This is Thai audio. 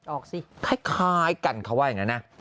ออกสิคล้ายคล้ายกันเขาว่าอย่างเงี้ยนะ